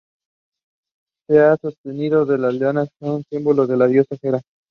Se ha sostenido que las leonas son un símbolo de la diosa Hera.